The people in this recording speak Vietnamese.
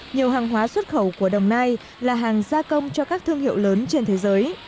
nhiều hàng hóa xuất khẩu của đồng nai là hàng gia công cho các thương hiệu lớn trên thế giới